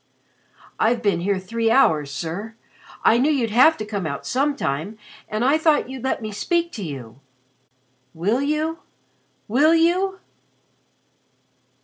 "I've been here three hours, sir. I knew you'd have to come out sometime and I thought you'd let me speak to you. Will you will you?"